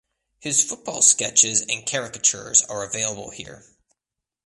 His football sketches and caricatures are available here.